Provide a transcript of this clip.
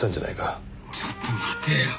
ちょっと待てよ。